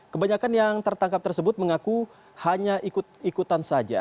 kebanyakan yang tertangkap tersebut mengaku hanya ikut ikutan saja